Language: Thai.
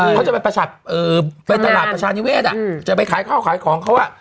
เขาจะไปตลาดประชานิเวศจะไปขายข้าวขายของเขาอ่ะ